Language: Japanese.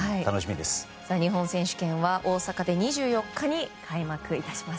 日本選手権は大阪で２４日に開幕します。